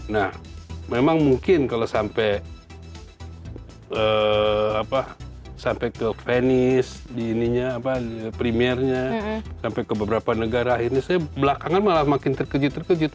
nah memang mungkin kalau sampai ke venice di ininya apa di premiernya sampai ke beberapa negara akhirnya saya belakangan malah makin terkejut terkejut